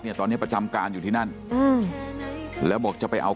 ตอนเนี้ยประจำการอยู่ที่นั่นอืมแล้วบอกจะไปเอา